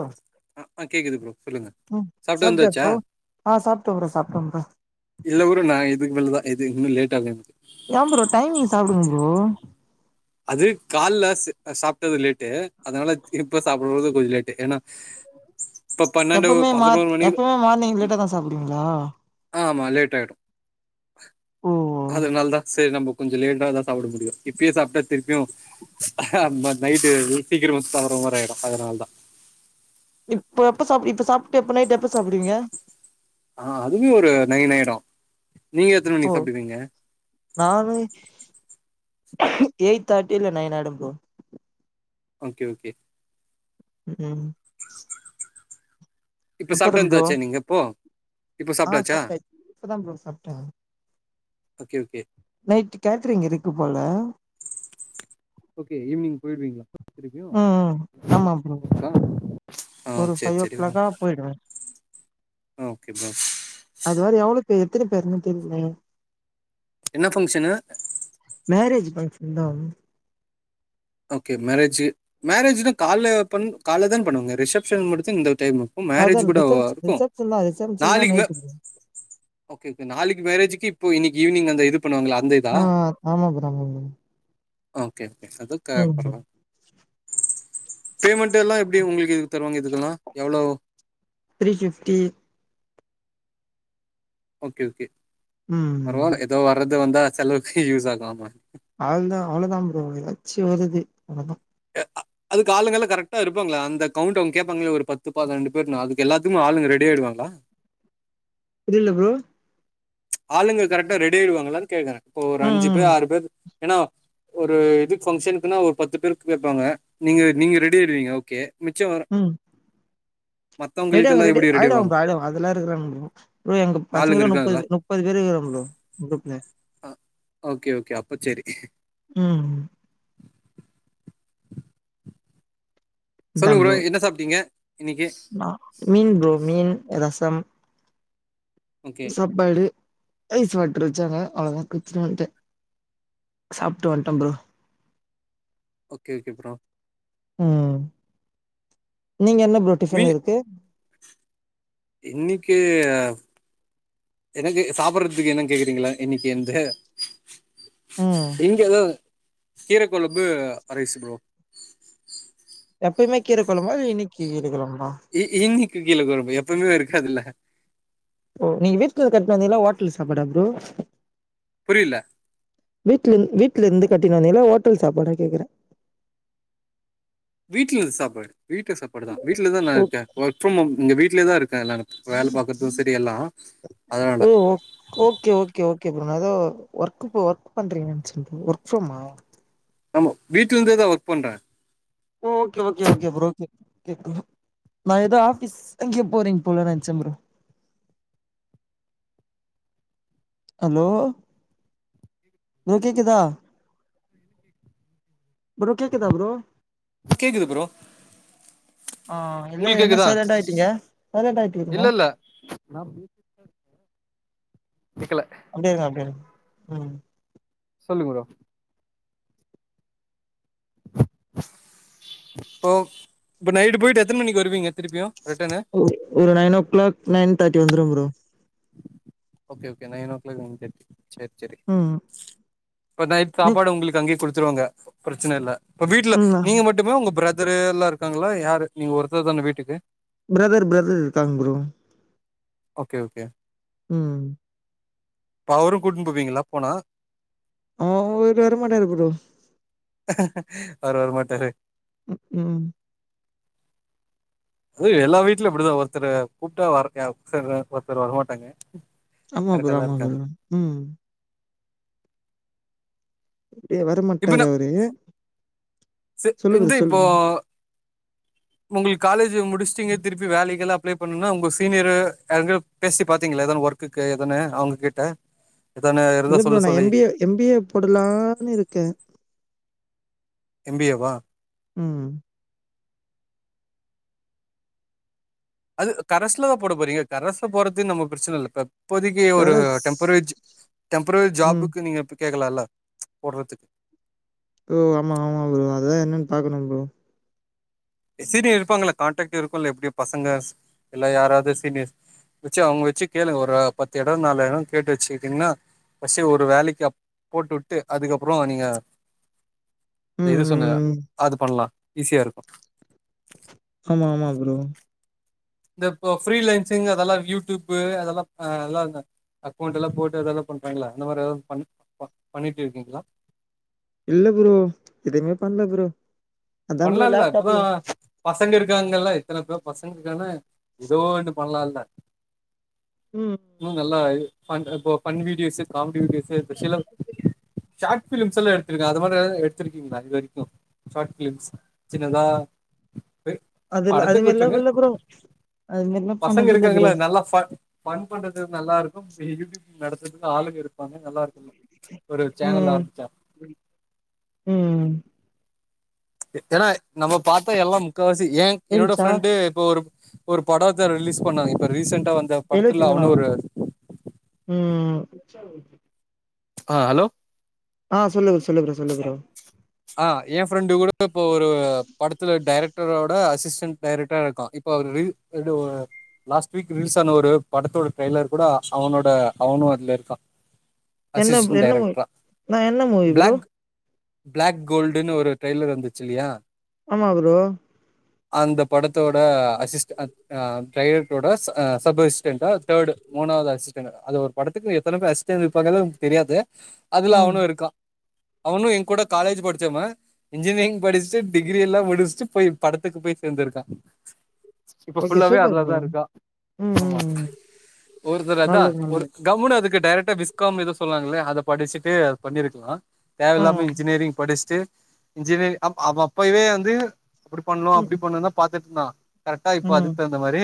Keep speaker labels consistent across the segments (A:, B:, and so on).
A: ம்
B: அ ஆ கேக்குது ப்ரோ சொல்லுங்க
A: ம்
B: சாப்ட்டு
A: சாப்ட்டியா
B: வந்தாச்சா
A: ப்ரோ ஆ சாப்ட்டம் ப்ரோ சாப்ட்டம் ப்ரோ
B: இல்ல ப்ரோ நா இதுக்கு மேலதா இது இன்னும் லேட்டாகும் எனக்
A: ஏம்ப்ரோ டைமிங் சாப்புடுங் ப்ரோ
B: அது கால்ல ஸ் சாப்ட்டது லேட்டு அதனால இப்ப சாப்புறது கொஞ்ச லேட்டு ஏனா
A: எப்பமே மார்
B: மணிக்கு
A: எப்பமே மார்னிங்
B: ம்,
A: லேட்டாதா சாப்டுவீங்களா
B: ஆமா லேட்டாயிடும்
A: ஓ
B: அதுனால தா சேரி நம்ம கொஞ்சம் லேட்டாதா சாப்ட முடியும் இப்பயே சாப்ட்டா திருப்பியும் நைட்டு சீக்கிரமா வந்து சாப்ற மாரியாய்டும் அதனால தா
A: இப்ப எப்ப சாப் இப்ப சாப்ட்டு எப்ப நைட்டு எப்ப சாப்டுவீங்க
B: அ அதுவே ஒரு நைன் ஆய்டும் நீங்க எத்தன
A: ஓ
B: மணிக்கி சாப்டுவீங்க
A: நானு எயிட் தேட்டி இல்ல நைன் ஆய்டும் ப்ரோ
B: ஓகே ஓகே
A: ம் ம்
B: இப்ப சாப்ட்டு வந்தாச்சா நீங்க இப்போ இப்ப
A: அ
B: சாப்ட்டாச்சா
A: சாப்ட்டாச் இப்பதான் ப்ரோ சாப்ட்டன்
B: ஓகே ஓகே
A: நைட்டு கேட்டரிங் இருக்கு போல
B: ஓகே ஈவ்னி்ங் போயிடுவீங்களா திருப்பியு
A: ம் ம் ஆமா ப்ரோ
B: ஒர்க்கா அ செரி செரி
A: போயிடுவ
B: ஓகே ப்ரோ
A: அது வேற எவ்ளோ பேர் எத்தினி பேருனு தெரில
B: என்ன ஃபங்ஷனு
A: மேரேஜ் ஃபங்கஷன் தான்
B: ஓகே மேரேஜ் மேரேஜ்தான் கால்ல பண் கால்லதான் பண்ணுவாங்க ரிசப்ஷன் முடிச்சி இந்த டைமு
A: அதா
B: மேரேஜ் கூடவா
A: ரிசப்ஷன்
B: இருக்கும்
A: ரிசப்ஷன் தா ரிசப்ஷன் தா
B: நாளக்கி மே
A: நைட்டு ப்ரோ
B: ஓகே ஓகே நாளைக்கி மேரேஜ்க்கு இப்போ இன்னிக்கி ஈவ்னிங் அந்த இது பண்ணுவாங்கள அந்த இதா
A: ஆ ஆமா ப்ரோ ஆமா ப்ரோ
B: ஓகே ஓகே அதுக்க
A: ம்
B: பரவா பேமெண்ட்டெல்லா எப்டி ஒங்குளுக்கு இது தருவாங்க இதுக்கெல்லா எவ்ளோ
A: த்ரீ ஃபிஃப்ட்டி
B: ஓகே ஓகே
A: ம்
B: போணு எதோ வர்றது வந்தா செலவுக்கு யூஸ் ஆகும் ஆமா
A: அவுள்தா அவ்ளோதான் ப்ரோ ஏதாச்சும் வருது அவ்ளோதான்
B: அ அ- அதுக்கு ஆளுங்க எல்லா கரெக்டா இருப்பாங்கலா அந்த கவுண்ட் அவுங்க கேப்பாங்களா ஒரு பத்து பன்னிரெண்டு பேரு அது எல்லாத்துக்கும் ஆளுங்க ரெடி ஆயிடுவாங்களா
A: புரில ஃப்ரோ
B: ஆளுங்க கரெக்டா ரெடி ஆயிடுவாங்களான்னு கேக்குறேன் இப்போ ஒரு அஞ்சு
A: ம்
B: பேர் ஆறு பேர் ஏன்னா ஒரு எதுக்கு ஃபங்க்ஷனுக்குன்னா ஒரு பத்து பேரு கேப்பாங்க நீங்க நீங்க ரெடி ஆயிடுவீங்க ஓகே மிச்சம் வரு
A: ம் ரெடி ஆகுங்க ரெடி
B: எப்டி ஆவாங்க
A: ஆயிடுவாங்கபா ஆயிடுவாங்க அதெல்லாம் இருக்குறானுங்கோ எங்க
B: ஆளுங்க
A: பசங்கள முப்பது
B: இருக்காங்களா
A: பே முப் முப்பது பேறு இருக்கோ ப்ரோ குரூப் ல
B: ஆ ஓகே ஓகே அப்ப சேரி
A: ம் ம்
B: சொல்லுங்க ப்ரோ என்ன சாப்ட்டீங்க இன்னிக்கி
A: நா மீன் ப்ரோ மீன் ரசம்
B: ஓகே
A: சாப்பாடு ஐஸ் வாட்டறு வச்சாங்க அவ்ளோ தான் குச்சினு வன்ட்டேன் சாப்ட்டு வன்டேன் ப்ரோ
B: ஓகே ஓகே ப்ரோ
A: ம் ம் நீங்க என்ன ப்ரோ டிஃபன் இருக்கு
B: இன்னிக்கி ஆ எனக்கு சாப்புறதுக்கு என்னனு கேக்குறீங்களா இன்னிக்கு அந்த
A: ம்
B: இங்கதான் கீரைக்கொழம்பு ரைஸ் ப்ரோ
A: எப்பயுமே கீரை கொழம்பா இல்ல இன்னிக்கி கீரகொழம்பா
B: இ இன்னிக்கு கீர கொழம்பு எப்வுமே இருக்காதுல்ல
A: ஓ நீங்க வீட்ல கட்ணு வந்திங்களா ஹோட்டல் சாப்பாடா ப்ரோ
B: புரில
A: வீட்ல இரு வீட்ல இருந்து கட்டிட்டு வந்திங்ளா ஹோட்டல் சாப்பாட கேக்குறே
B: வீட்ல இருந்து சாப்பாடு வீட்டு சாப்பாடு தான் வீட்ல தான் நா
A: ஓ
B: இருக்கேன் ஒர்க் ஃபிரம் ஹோம் எங்க வீட்லயே தா இருக்கேன் நா
A: ஓ
B: அதனால
A: ஓகே ஓகே ஓகே ப்ரோ நா அதா ஒர்க் ஒர்க் பண்றீங்கன்னு சொல்றேன் ஒர்க் ஃப்ரம்மா
B: ஆமா வீ்ட்ல இருந்தே தான் ஒர்க் பண்றேன்
A: okay okay okay bro okay கே நா ஏதோ ஆபீஸ் அங்கேயே போறீங்க போல நெனச்சேன் ப்ரோ ஹலோ கே கேக்குதா ப்ரோ கேக்குதா ப்ரோ
B: கேக்குது ப்ரோ
A: ஆ இல்ல
B: உங்களுக்கு
A: என்ன
B: கேக்குதா
A: சைலன்ட்டா ஆயிட்டீங்க சைலன்ட்டா ஆயிட்டீங்க
B: இல்ல இல்ல என்ன ப்ரோ கேக்கல
A: அங்கே இருங்க அப்டியா ம்
B: சொல்லுங்க ப்ரோ ஓ இப்ப நைட்டு போயிட்டு எத்தன மணிக்கு வருவீங்க திருப்பியு ரிட்டனு
A: ஒரு nine o'clock nine thirty வந்துரும் bro
B: okay okay nine o'clock வந்துரு சேரி சேரி
A: ம்
B: இப்ப நைட் சாப்பாடு உங்களுக்கு அங்கேயே குடுத்துருவாங்க பிரச்சன இல்ல இப்ப வீட்ல
A: ம்
B: நீங்க மட் டுமே உங்க பிரதர் எல்லாம் இருக்காங்களா யாரு நீங்க ஒருத்தர் தான் வீட்டுக்கு
A: பிரதர் பிரதர் இருக்காங்க ப்ரோ
B: ஓகே ஓகே
A: ம்
B: அவரும் கூட்டின்னு போவீங்களா போனா
A: ஆ அவரு வரமாட்டாரு ப்ரோ
B: அவரு வர மாட்டாரு
A: ம் ம்
B: அது எல்லா வீட்லு இப்டிதா ஒருத்தர் கூப்ட்டா வரங்ன்றாரு ஒருத்தர் வரமாட்டாங்க
A: ஆமா
B: கரெக்டா
A: ப்ரோ
B: தா
A: ஆமா ப்ரோ
B: இருக்காங்க
A: ம் ஏ வர மாட்டாரு அவரு
B: செரி
A: சொல்லு ப்ரோ,
B: இந்து
A: சொல்லு.
B: இப்போ ஒங்ளுக்கு காலேஜ் முடிச்சிடிங்க திருப்பி வேலைகெல்லா அப்ளை பண்ணுனா ஒங்க சீனியர யார்க்க பேசி பாத்தீங்ள எதனா ஒர்க்கு இருக்குனு எதன்னு அவுங்ககிட்ட
A: இல்ல ப்ரோ நா M B A M B A போடலான்னு இருக்கே
B: எம் பி ஏவா
A: ம்
B: அது கரைசலதா போட போறீங்க கரசல போறது நம்ம பிரச்சன இல்லப்ப இப்போதைக்கு ஒரு
A: கரஸ்
B: டெம்பரரி ஜ டெம்பரரி
A: ம்.
B: ஜாபுக்கு இப்ப கேக்கலால்ல போடறதுக்கு
A: ஓ ஆமா ஆமா ப்ரோ அதுதா என்னன்னு பாக்கனு ப்ரோ
B: சீனியர் இருப்பாங்க கான்டாக்ட் இருக்குல்ல எப்டியோ பசங்க இல்ல யாராது சீனியர்ஸ் வச்சு அவுங்க வச்சு கேளுங்க ஒரு பத்து எடொ நாலு எடொ கேட்டு வச்சுக்கிட்டீங்ன்னா ஃபஸ்ட்டு ஒரு வேலைக்கு அப் போட்டு உட்டு அதுக்கப்பறோ நீங்க இந்த
A: ம்,
B: இது சொன்ன
A: ம்.
B: அது பண்லா ஈஸியா இருக்கு
A: ஆமா ஆமா ப்ரோ
B: இந்த இப்ப ஃப்ரீலன்சிங் அதெல்லா யூடியூப்பூ அதெல்லா ஆ அதெல்லால்ல அக்கௌண்ட் எல்லா போட்டு அதெல்லாபன்றாங்ல்ல இந்த மாரி ஏதாது பன் ப பன்னிட்டு இருக்கீங்ளா
A: இல்ல ப்ரோ எதுமே பண்ல ப்ரோ அதான் ப்ரோ
B: பண்லால்ல இப்பதா
A: லேப்டாப்ல
B: பசங்க இருக்காங்கல்ல எத்தன பேரு பசங்க இருக்கான ஏதோ ஒன்னு பண்லால
A: ம்
B: இன்னு நல்லா பன் இப்ப பன் வீடியோஸு காமெடி வீடியோஸு ஸ்பஷல ஷார்ட் பிலிம்லா எடுத்ருக்க அது மாரி ஏதாவது எடுத்திருக்கீங்ளா இது வரைக்கு ஷார்ட் பிலிம்ஸ் சின்னதா அ
A: அதுல அது
B: படத்துக்கு
A: மாரிலாம்
B: விட்டுருங்க
A: இல்ல ப்ரோ. அது மாரிலாம்
B: பசங்க
A: பண்ணதில்ல ப்ரோ.
B: இருக்காங்ள நல்லா ப ஃபண் பண்றது நல்லா இருக்கு யூடியூப் நடத்துர்க்கு ஆளுக இருப்பாங்க நல்லா இருக்குங்க
A: ம் ம்
B: ஏனா நம்ம பாத்தா எல்லா முக்கவாசி ஏ என்னோட
A: ஏறிடுச்சா?
B: ஃப்ரெண்டே இப்போ ஒரு ஒரு படத்த ரிலீஸ் பண்ணாங்க இப்ப ரீசெண்டா வந்
A: எழுவத்தி மூனா ம்
B: ஆ ஹலோ
A: ஆ சொல்லு சொல்லு ப்ரோ சொல்லு ப்ரோ
B: ஆ ஏ ஃப்ரெண்டு கூட இப்ப ஒரு படத்துல டைரெக் டரோட அசிஸ்டன்ட் டைரக்டரா இருக்கா இப்ப அவர ரீ இதுவு லாஸ்ட் வீக் ரிலீல்ஸ் ஆன ஒரு படத்தோட ட்ரெயலர் கூட அவனோட அவனு அதுல இருக்கா
A: என்ன
B: அசிஸ்டன்ட்
A: என்ன மூவி
B: டைரக்டரா
A: நா என்ன மூவி ப்ரோ
B: பிளாக் பிளாக் கோல்டுன்னு ஒரு டிரெய்லர் வந்துச்சு இல்லியா
A: ஆமா ப்ரோ
B: அந்த படத்தோட அசிஸ் அந் ஆ டிரைட்டோட அ சப் அசிஸ்டன்டா தேர்டு மூணாவது அசிஸ்டன்டா அது ஒரு படத்துக்கு எத்தன பேரு அசிஸ்ட்டன் இருப்பாங்கனு நமக்கு தெரியாது அதுல
A: ம்
B: அவனு இருக்கா அவனு ஏ கூட காலேஜ் படிச்சவ இன்ஜினியரிங் படிச்சுட்டு டிகிரி எல்லா முடிச்சுட்டு போய் படத்துக்கு போய் சேர்ந்திருக்கா இப்ப
A: ஓகே
B: ஃபுல்லாவே
A: சூப்பர்
B: அதுலதா
A: ப்ரோ
B: இருக்கா
A: ம்
B: ஆமா
A: ம் ம்
B: ஒருத்தர் அத
A: நல்லது
B: ஒரு
A: நல்லது
B: கம்முனு அதுக்கு டைரெக்டா விஸ்காம் எதே சொன்னாங்களே அத படிச்சுட்டு அது பண்ணியிருக்கலா
A: ஆ
B: தேவையில்லாம இன்ஜினியரிங் படிச்சுட்டு இன்ஜினியரிங் அப் அவ அப்பவே வந்து அப்படி பண்ணனு
A: ம்
B: அப்படி பண்ணனும் தா பாத்துட்டு இருந்தா கரெக்டா இப்ப
A: ம்
B: அதுக்கு தகுந்த மாரி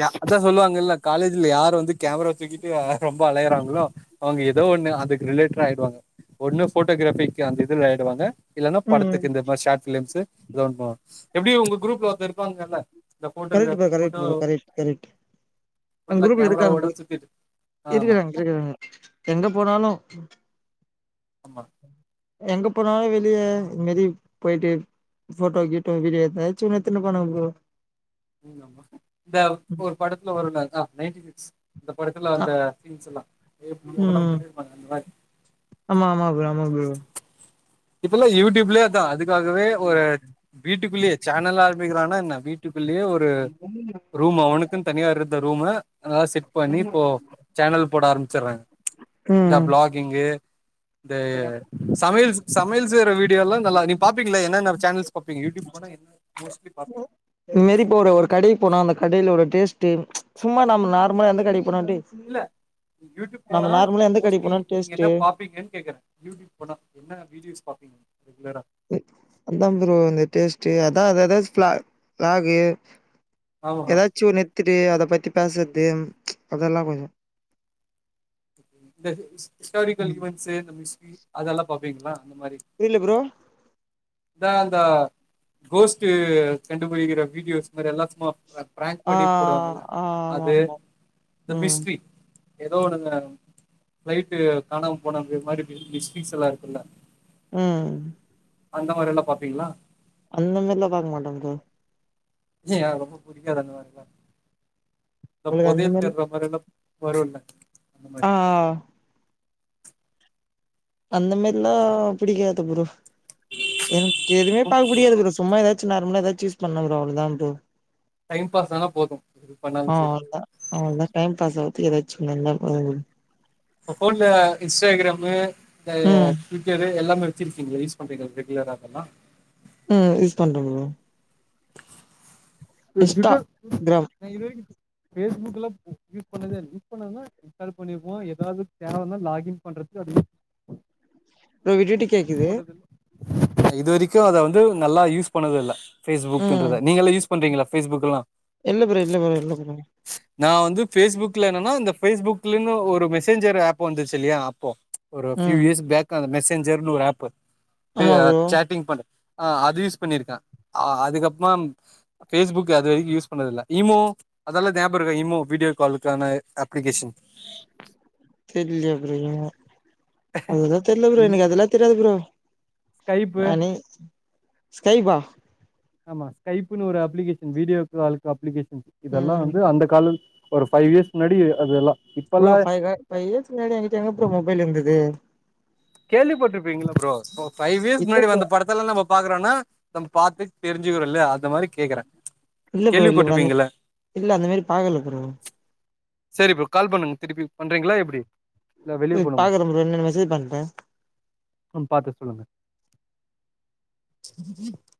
B: ய அதா சொல்லுவாங்கல்ல காலேஜ்ல யாரரு வந்து கேமராவ துக்கிட்டு ரொம்ப அலையறாங்களோ அவங்க ஏதோ ஒண்ணு அதுக்கு ரிலேட்டட் ஆயிவாங்க ஒண்ணு போட்டோகிராபி க அந்த இதுல ஆடுவங்க இல்லன்னா
A: ம் ம்
B: படத்துக்கு இந்த மாரி ஷார் பிலிம்ஸு [unintelligible] எப்படி உங்க குரூப்ல ஒருத்த இருப்பாங்கல்ல இந்த
A: கரெக்டு பா
B: போட்டோகிராபி
A: கரெக்டு
B: போட்டோ
A: பா கரெக்ட் கரெக்ட் எங்க
B: ஃபுல்லா
A: குரூப்ல இருக்காங்க
B: கேமராவோட சுத்திட்டு
A: [unintelligible]
B: ஆமா
A: இருக்குறாங்க இருக்குறாங்க எங்க போனாலு ம்
B: ஆமா
A: எங்க போனாலு வெளியே இது மாரி போயிட்டு போட்டோ கிட்டோ வீடிய எச்சு ஒன்னு எத்துனு இருப்பானுங்க ப்ரோ
B: ந்த
A: ம்
B: ஒரு படத்துல வரும்ல ஆ நைன்டி சிக்ஸ் இந்த படத்துல
A: அ
B: அந்த சீன்ஸ் எல்லா எப்டி எவ்வளவு
A: ம்.
B: பண்ணிருப்பாங்க அந்த மாறி
A: ஆமா ஆமா ப்ரோ ஆமா ப்ரோ
B: இப்பல்லா யூடியூப்லயே அதா அதுக்காகவே ஒரு வீட்டுக்குள்ளயே சேனல் ஆரம்பிக்கிறான்னா என்ன வீட்டு குள்ளயே ஒரு ரூம்மு அவனுக்குன் தனியா இருந்த ரூம்மு அத செட் பண்ணி இப்போ சேனல் போட ஆரம்பிச்சறாங்க இந்த
A: ம்
B: விளாகிங்கு இந்த சமையல் சமையல் செய்யுற வீடியோல்லா நல்லா நீ பாப்பீங்களா என்னென்ன சேனல் பாப்பீங்க யூடியூப் போன என்ன மோஸ்ட்லி பாப்பீங்க
A: இதுமாறி இப்ப ஒரு ஒரு கடைக்கு போனா அந்த கடையில உள்ள டேஸ்ட் சும்மா நம்ம நார்மலா எந்த கடைக்கு போனா டி
B: இல்ல யூடியூப் போனா
A: எந்த கடைக்கு
B: மோஸ்ட்லி
A: போனாலு
B: நீங்க
A: டேஸ்ட்டு
B: என்ன பாப்பீங்கன்னு கேக்குறே யூடியூப் போனா என்னென்ன வீடியோஸ பார்பீங்க ரெகுலரா
A: அதா ப்ரோ இந்த டேஸ்ட் அதா அதா விலாக்கு
B: ஆமா
A: ஏதாச்சு
B: ஓகே
A: ஒரு நெத்திடு அத பத்தி பேசுறது அதெல்லா கொஞ்சோ
B: இந்த இஸ்டாரிக்கல்
A: ம்
B: ஈண்வென்ட்ஸு நம்ம ஹிஸ்டரி அதெல்லா பாப்பீங்களா அந்த மாறி
A: புரியல ப்ரோ
B: இதா அந்த கோஸ்ட்டு கண்டுபிடிக்கிற வீடியோஸ் மாறி அதெல்லா சும்மா பிரங்க்
A: ஆ
B: பண்ணி போடுவாங்கள
A: ஆ ஆமா
B: அது
A: ஆமா
B: த
A: ம்
B: மிஸ்டரி ஏதோ ஒன்னுங்க பிளைட் காணாம போன அப்ப மாறி மிஸ்டேக்ஸ்ல்லா இருக்குல்ல
A: ம்
B: அந்த மாறியெல்லா பாப்பீங்களா
A: அந்த மாறில்லா பாக்க மாட்டே ப்ரோ
B: ஏய் ரொம்ப புடிக்காத அந்த மாறியெல்லா ந்த
A: உங்களுக்கு அந்த
B: பொதயல்
A: மாரி
B: தேடுற மாறியெல்லா வருல்ல அந்த மாறி
A: ஆ அந்த மாறில்லா பிடிக்காது ப்ரோ எனக்கு எதுவுமே பாக்க பிடிக்காது ப்ரோ சும்மா ஏதாச்சு நார்மலா எதாச்சு யூஸ் பண்ணோ ப்ரோ அவ்வளதா ப்ரோ
B: டைம் பாஸ் ஆனா போது எது பண்ணாலு செரி
A: அவன் தா டைம் பாஸ் ஆகுது ஏதாச்சு நல்ல
B: உங்க போபோன்ல இன்ஸ்டாகிராமு இந்த
A: ம்
B: சின்சர் எல்லாமே வச்சிருக்கீஙல யூஸ் பண்றிங்க ரெகுலராகல்லா
A: ம் யூஸ் பண்றோ ப்ரோ இன்ஸ்டா கிராம்
B: நா இது வரைக்கு பேஸ்புக் எல்லா யூஸ் பண்ணதே யூஸ் பண்ணதுன்னா இன்ஸ்டால் பண்ணிருவோ ஏதாவது தேவைன்னா லாகிங் பண்றதுக்கு அது யூஸ்
A: ப்ரோ விட்டுட்டு கேக்குது
B: போட்டது இது வரைக்கோ அத வந்து நல்லா யூஸ் பண்ணததே இல்ல
A: ம்
B: பேஸ்புக்ன்றத நீங்கல யூஸ் பண்றீங்களா பேஸ்புக்ல்லா
A: இல்ல ப்ரோ இல்ல ப்ரோ இல்ல ப்ரோ
B: நா வந்து பேஸ்புக்ல என்னன்னா அந்த பேஸ்புக்லன்னு ஒரு மெசேஞ்சர் ஆப் வந்துருச்சுல்லையா அப்போ ஒரு ஃபியூ
A: ம்
B: இயர்ஸ் பேக் அந்த மெசேஞ்சர்ன்னு ஒரு ஆப்
A: ஆமா ப்ரோ
B: சேட்டிங் பண்ற ஆ அது யூஸ் பண்ணியிருக்கே அதுக்கப்பறமா பேஸ்புக் அது யூஸ் பண்ணது இல்ல ஈமோ அதெல்லா நியாபக இருக்க இமோ வீடியோ காலுக்கான அப்ளிகேஷன்
A: [inaudible] தெரியேல ப்ரோ ஏ அதலா தெரியல ப்ரோ
B: ஈமோ
A: எனக்கு அதெல்லா தெரியாது ப்ரோ
B: ஸ்கைப்பு
A: அனி ஸ்கைபா
B: ஆமா ஸ்கைப்புன்னு ஒரு அப்ளிகேஷன் வீடியோ காலு அப்ளிகேஷன் இதெல்லா
A: ம்
B: வந்து அந்த காலத் ஒரு ஃபைவ் இயர்ஸ் முன்னாடி அதுல்லா
A: ஒரு ஃபைவ் இயர் ஃபைவ் இயர்ஸ்க்கு முன்னாடி என் கிட்ட எங்க ப்ரோ மொபைல் இருந்தது
B: கேள்விப்பட்டுருப்பீங்ள ப்ரோ ஒரு ஃபைவ் இயர்ஸ்
A: இல்ல
B: முன்னாடி
A: ப்ரோ
B: வந்த படத் தெல்லா நம்போ பாக்குறோம்னா நம்ப பாத்து தெரிஞ்சுக்கிறோல்யா அந்த மாரி கேக்குற
A: இல்ல ப்ரோ இல்ல ப்ரோ அந்த இல்ல அந்த மாரி பாக்கல ப்ரோ
B: செரி ப்ரோ கால் பண்ணுங்க திருப்பி பண்றீங்களா எப்டி இல்ல வெளிய
A: ம்
B: போணுமா
A: பாக்குற ப்ரோ என்னன் மெசேஜ் பண்ற
B: ம் பாத்து சொல்லுங்க
A: [unintelligible]